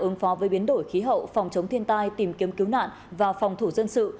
ứng phó với biến đổi khí hậu phòng chống thiên tai tìm kiếm cứu nạn và phòng thủ dân sự